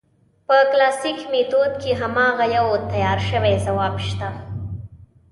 په کلاسیک میتود کې هماغه یو تیار شوی ځواب شته.